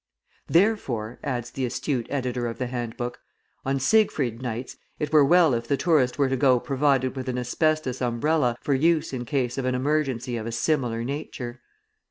"Therefore," adds the astute editor of the hand book, "on Siegfried nights it were well if the tourist were to go provided with an asbestos umbrella for use in case of an emergency of a similar nature."